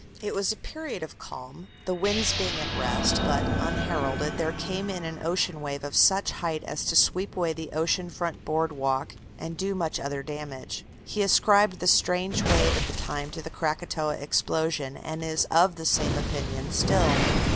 It was a period of calm, the winds being at rest, but, unheralded, there came in an ocean wave of such height as to sweep away the ocean front boardwalk and do much other damage. He ascribed this strange wave at the time to the Krakatoa explosion, and is of the same opinion still.